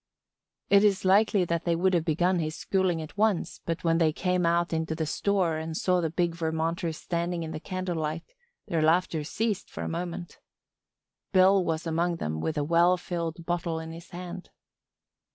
It is likely that they would have begun his schooling at once but when they came out into the store and saw the big Vermonter standing in the candlelight their laughter ceased for a moment. Bill was among them with a well filled bottle in his hand.